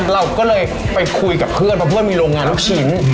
เราก็เลยไปคุยกับเพื่อนเพราะเพื่อนมีโรงงานลูกชิ้น